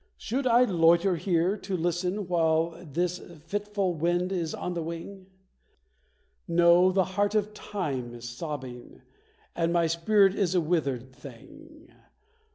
Should I loiter here to listen, while this fitful wind is on the wing? No, the heart of Time is sobbing, and my spirit is a withered thing!